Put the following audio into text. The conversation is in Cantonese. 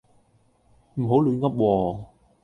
唔好亂噏喎